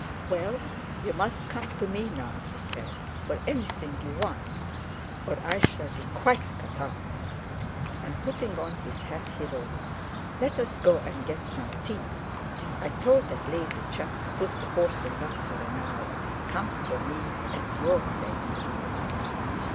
"Well, you must come to me now," he said, "for anything you want, or I shall be quite cut up." And putting on his hat, he rose. "Let's go and get some tea. I told that lazy chap to put the horses up for an hour, and come for me at your place.